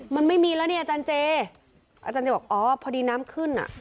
มันไม่มีแล้วเนี่ยอาจารย์เจอาจารย์เจบอกอ๋อพอดีน้ำขึ้นอ่ะ